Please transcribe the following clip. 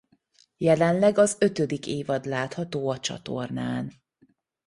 Jelenleg az ötödik évad látható a csatornán.